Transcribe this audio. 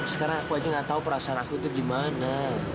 sekarang aku aja gak tau perasaan aku itu dimana